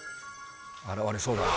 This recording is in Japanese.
現れそうだ。